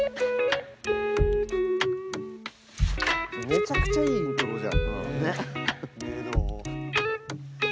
めちゃくちゃいいイントロじゃん。